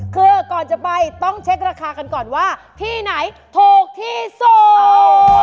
คือก่อนจะไปต้องเช็คราคากันก่อนว่าที่ไหนถูกที่สุด